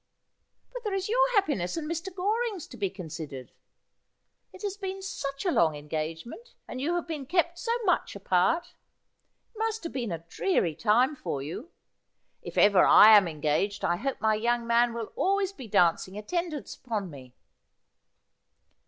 ' But there is your happiness— and Mr. Goring's — to be con sidered. It has been such a long engagement, and you have been kept so much apart. It must have been a dreary time for you. If ever I am engaged I hope my young man will always be dancing attendance upon me.'